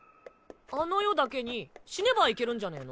あの世だけに死ねば行けるんじゃねぇの？